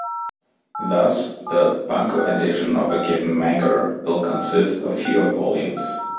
Thus, the "bunko" edition of a given manga will consist of fewer volumes.